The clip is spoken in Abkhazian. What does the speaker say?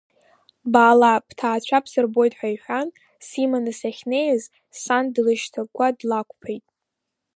Баала, бҭаацәа бсырбот, ҳәа иҳәан, симаны сахьнеиз, сан длышьҭагәа длақәԥеит.